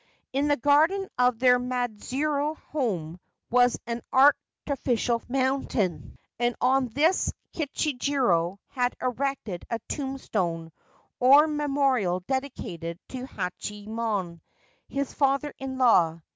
In the garden of their Maidzuru house was an artificial mountain, and on this Kichijiro had erected a tombstone or memorial dedicated to Hachiyemon, his father in law.